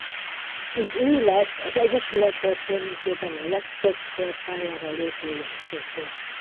Így ő lett az egyesület történetében a legtöbbször pályára lépő játékos.